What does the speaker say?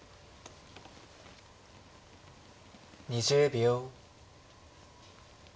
２０秒。